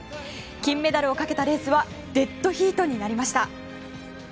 金メダルをかけたレースはデッドヒートになりました。